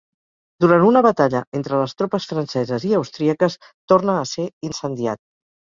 Durant una batalla entre les tropes franceses i austríaques torna a ser incendiat.